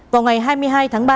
vào ngày hai mươi hai tháng ba